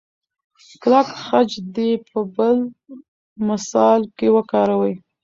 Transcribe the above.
کلک خج دې په بل مثال کې وکاروئ.